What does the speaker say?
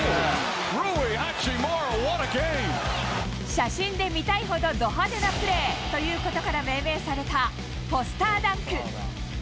写真で見たいほどど派手なプレーということから命名された、ポスターダンク。